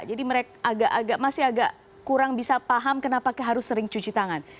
jadi mereka masih agak kurang bisa paham kenapa harus sering cuci tangan